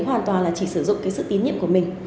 hoàn toàn chỉ sử dụng sự tín nhiệm của mình